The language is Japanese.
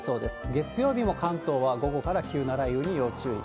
月曜日も関東は午後から急な雷雨に要注意。